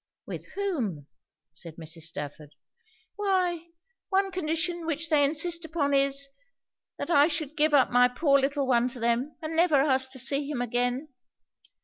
'With whom?' said Mrs. Stafford. 'Why, one condition which they insist upon is, that I should give up my poor little one to them, and never ask to see him again.